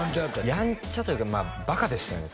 やんちゃというかまあバカでしたね